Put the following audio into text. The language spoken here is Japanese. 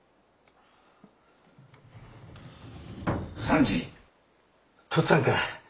三次。とっつぁんか。